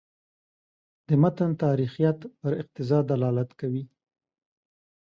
د متن تاریخیت پر اقتضا دلالت کوي.